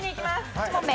１問目」